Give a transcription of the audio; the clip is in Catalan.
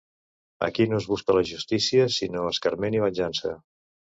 Aquí no es busca la justícia, sinó escarment i venjança.